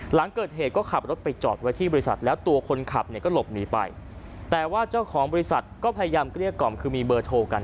หลังเกิดเหตุก็ขับรถไปจอดไว้ที่บริษัทแล้วตัวคนขับเนี่ยก็หลบหนีไปแต่ว่าเจ้าของบริษัทก็พยายามเกลี้ยกล่อมคือมีเบอร์โทรกัน